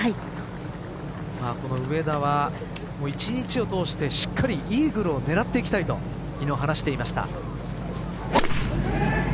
この上田は１日を通して、しっかりイーグルを狙っていきたいと昨日話していました。